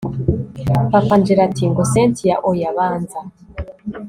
papa angella ati ngo cyntia oya banza